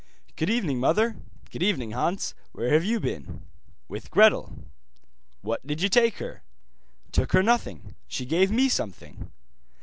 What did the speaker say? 'Good evening, mother.' 'Good evening, Hans. Where have you been?' 'With Gretel.' What did you take her?' 'Took her nothing, she gave me something.